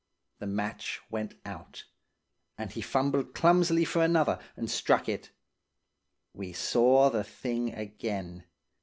The match went out, and he fumbled clumsily for another, and struck it. We saw the thing again.